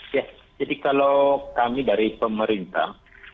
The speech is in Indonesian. ya jadi kalau kami dari pemerintah